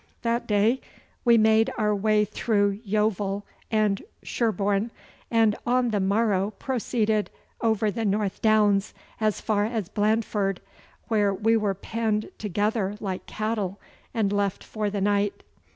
That day we made our way through Yeovil and Sherborne, and on the morrow proceeded over the North Downs as far as Blandford, where we were penned together like cattle and left for the night.